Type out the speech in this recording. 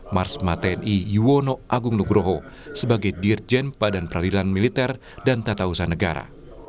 marsma tni yuwono agung nugroho sebagai dirjen badan peradilan militer dan tata usaha negara